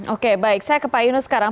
oke baik saya ke pak yunus sekarang